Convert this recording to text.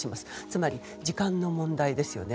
つまり、時間の問題ですよね。